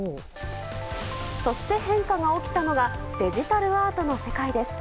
そして変化が起きたのはデジタルアートの世界です。